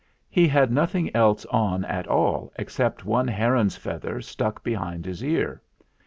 He had nothing else on at all, except one heron's feather stuck behind his ear.